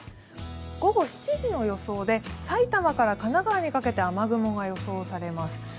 午後７時の予想で埼玉から神奈川にかけて雨雲が予想されます。